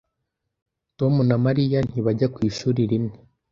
Tom na Mariya ntibajya ku ishuri rimwe.